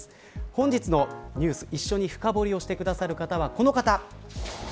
本日のニュース一緒に深掘りしてくださる方はこの方。